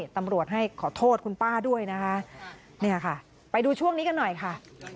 ตำรวจให้ขอโทษคุณป้าด้วยนะคะเนี่ยค่ะไปดูช่วงนี้กันหน่อยค่ะ